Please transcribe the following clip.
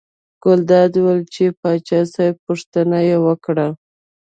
ګلداد وویل ولې پاچا صاحب پوښتنه یې وکړه.